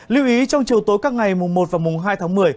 lưu ý trong chiều tối các ngày mùng một và mùng hai tháng một mươi